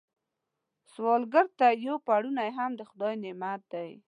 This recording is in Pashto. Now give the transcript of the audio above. سوالګر ته یو پړونی هم د خدای نعمت دی